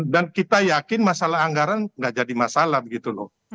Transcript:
dan kita yakin masalah anggaran gak jadi masalah begitu loh